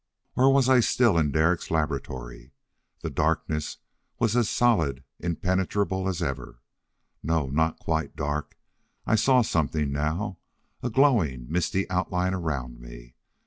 Or was I still in Derek's laboratory? The darkness was as solid, impenetrable as ever. No, not quite dark! I saw something now. A glowing, misty outline around me.